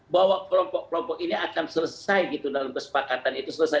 bahwa kelompok kelompok ini akan selesai gitu dalam kesepakatan itu selesai